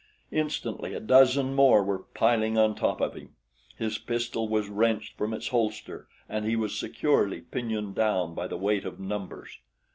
Instantly a dozen more were piling on top of him. His pistol was wrenched from its holster and he was securely pinioned down by the weight of numbers.